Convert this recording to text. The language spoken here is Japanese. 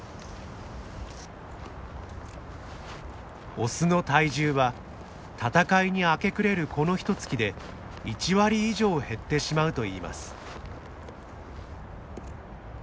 オスの体重は闘いに明け暮れるこのひとつきで１割以上減ってしまうといいます。